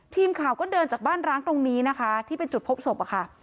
ทีมข่าวก็เดินจากบ้านร้างตรงนี้นะคะที่เป็นจุดพบศพอะค่ะ